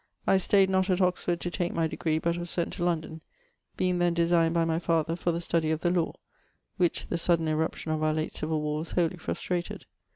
I stayed not att Oxford to take my degree, but was sent to London, beinge then designed by my father for the study of the law, which the sudden eruption of our late civil warres wholie frustrated.